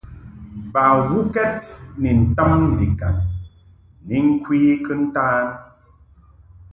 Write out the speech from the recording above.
Bawukɛd ni ntam ndikaŋ ni ŋkwe kɨntan.